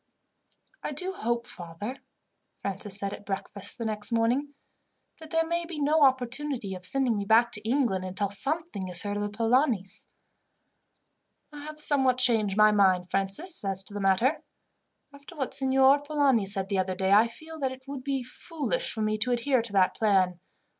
"I do hope, father," Francis said at breakfast the next morning, "that there may be no opportunity of sending me back to England, until something is heard of the Polanis." "I have somewhat changed my mind, Francis, as to that matter. After what Signor Polani said the other day, I feel that it would be foolish for me to adhere to that plan.